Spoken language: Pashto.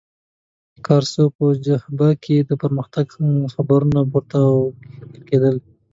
د کارسو په جبهه کې د پرمختګ خبرونه پورته او کښته کېدل.